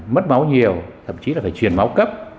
mất máu nhiều thậm chí là phải truyền máu cấp